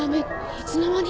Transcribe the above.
いつの間に！？